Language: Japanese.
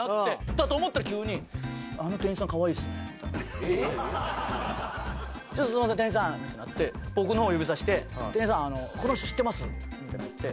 だと思ったら急に「あの店員さんかわいいですね」みたいな。「ちょっとすいません店員さん」ってなって僕の方指さして「店員さんこの人知ってます？」って言って。